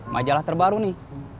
majalah terbaru nih